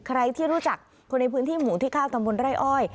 ใครที่รู้จักคนในพื้นที่หมู่ที่๙ตำบลไร่อ้อย